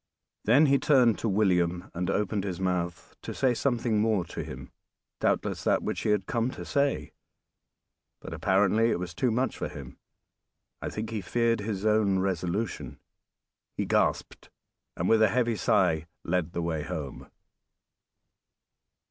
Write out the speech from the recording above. Then he turned to William and opened his mouth to say something more to him; doubtless that which he had come to say, but apparently it was too much for him. I think he feared his own resolution. He gasped and with a heavy sigh led the way home.